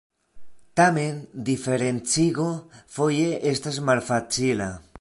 Tamen diferencigo foje estas malfacila.